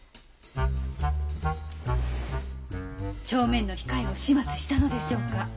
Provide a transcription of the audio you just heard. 帳面の控えを始末したのでしょうか？